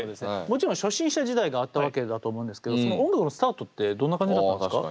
もちろん初心者時代があったわけだと思うんですけどその音楽のスタートってどんな感じだったんですか？